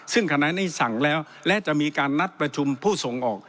ซึ่งขณะนี้สั่งแล้วและจะมีการนัดประชุมผู้ส่งออก